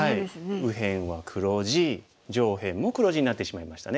右辺は黒地上辺も黒地になってしまいましたね。